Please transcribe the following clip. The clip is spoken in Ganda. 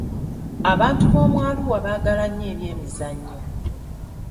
Abantu b'omu Arua baagala nnyo ebyemizannyo.